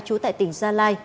chú tại tỉnh gia lai